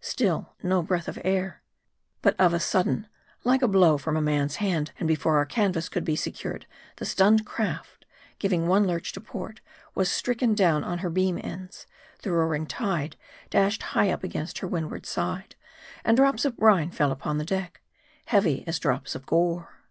Still, no breath of air. But of a sudden, like a blow from a man's hand, and before our canvas could be secured, the stunned craft, giving one lurch to port, was stricken down on her beam ends ; the roaring tide dashed high up against her windward side, and drops of brine fell upon the deck, heavy as drops of gore.